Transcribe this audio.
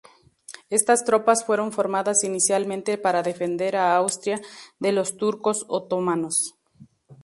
Estas tropas fueron formadas inicialmente para defender a Austria de los turcos otomanos.